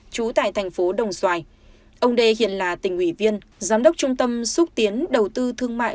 trú tại thành phố đồng xoài ông đê hiện là tỉnh ủy viên giám đốc trung tâm xúc tiến đầu tư thương mại